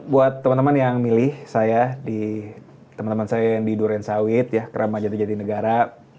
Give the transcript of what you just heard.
buat teman teman yang milih saya teman teman saya yang di duriansawit ya kerama jati jati negara